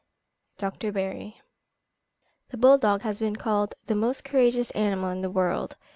DR. BARRY. The bull dog has been called the most courageous animal in the world.